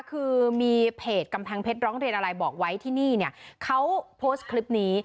คือมีเพจกำแพงเพชรร้องเรียนอะไรบอกไว้ที่นี่เนี่ยเขาโพสต์คลิปนี้